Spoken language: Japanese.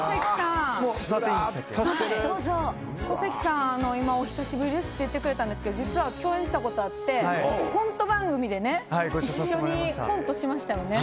小関さん、お久しぶりですって言ってくれたんですけど実は共演したことがあってコント番組で一緒にコントしましたよね。